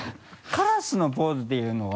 カラスのポーズっていうのは。